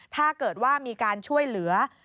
ถ้าเกิดว่ามีการช่วยเหลือ